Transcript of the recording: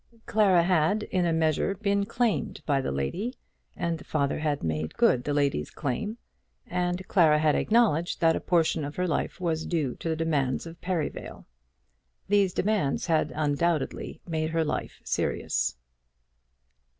Clara had, in a measure, been claimed by the lady, and the father had made good the lady's claim, and Clara had acknowledged that a portion of her life was due to the demands of Perivale. These demands had undoubtedly made her life serious.